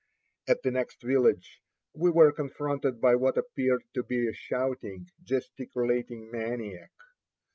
At the next village we were confronted by what appeared to be a shouting, gesticulating maniac.